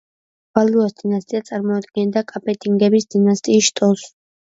ვალუას დინასტია წარმოადგენდა კაპეტინგების დინასტიის შტოს.